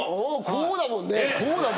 こうだもん。